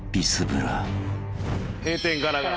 閉店ガラガラ。